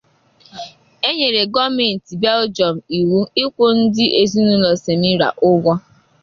E nyere gọọmentị Belgium iwu ịkwụ ndị ezinụlọ Semira ụgwọ.